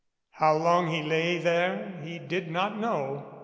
How long he lay there he did not know.